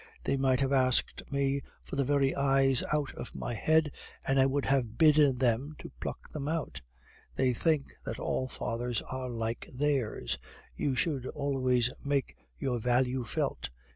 They might have asked me for the very eyes out of my head and I would have bidden them to pluck them out. They think that all fathers are like theirs. You should always make your value felt.